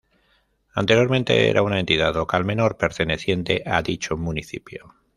Anteriormente era una Entidad Local Menor perteneciente a dicho municipio.